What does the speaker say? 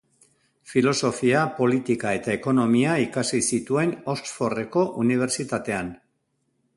Filosofia, Politika eta Ekonomia ikasi zituen Oxfordeko Unibertsitatean.